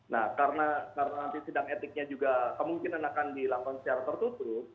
nah karena nanti sidang etiknya juga kemungkinan akan dilakukan secara tertutup